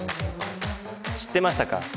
知ってましたか？